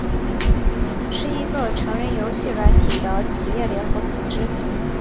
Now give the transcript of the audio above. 是一个成人游戏软体的企业联合组织。